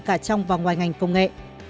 cả trong và ngoài ngành công nghệ